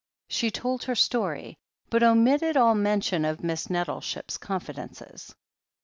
She told her story, but omitted all mention of Miss Nettleship's confidences.